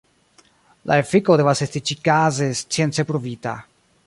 La efiko devas esti ĉikaze science pruvita.